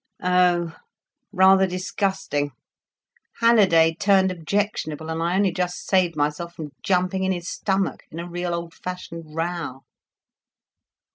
"Oh, rather disgusting. Halliday turned objectionable, and I only just saved myself from jumping in his stomach, in a real old fashioned row."